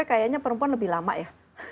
kayaknya perempuan lebih lama ya